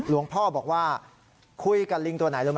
หลวงพ่อบอกว่าคุยกับลิงตัวไหนรู้ไหม